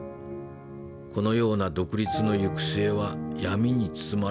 このような独立の行く末は闇に包まれる事でしょう。